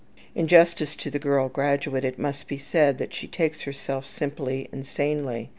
In justice to the girl graduate, it must be said that she takes herself simply and sanely.